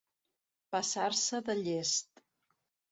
Passar-se de llest.